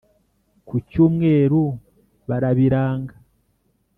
ku cyumweru barabiranga.